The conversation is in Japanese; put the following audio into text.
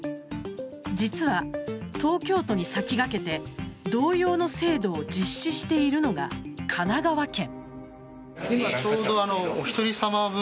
実は東京都に先駆けて同様の制度を実施しているのが神奈川県。